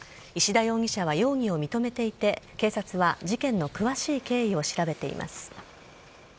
石田容疑者は容疑を認めていて、警察は事件の詳しい経緯を調べています。